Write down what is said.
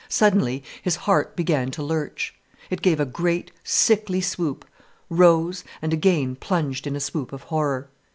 Suddenly his heart began to lurch. It gave a great, sickly swoop, rose, and again plunged in a swoop of horror.